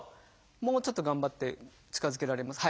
もうちょっと頑張って近づけられます？